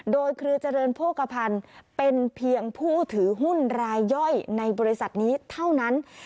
โดยเครือเจริญโภคภัณฑ์เป็นเพียงผู้ถือหุ้นรายย่อยในบริษัทนี้เท่านั้น